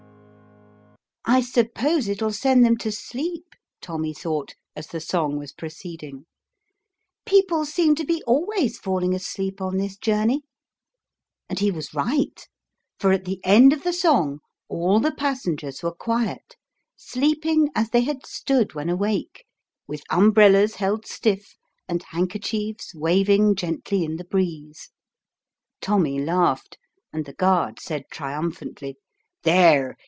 "I suppose it'll send them to sleep," Tommy thought, as the song was proceeding; "people seem to be always falling asleep on this journey;" and he was right, for at the end of the song all the pas sengers were quiet, sleeping as they had stood when awake, with umbrellas held stiff, and handkerchiefs waving gently in the breeze. Tommy laughed, and the guard said triumphantly, " There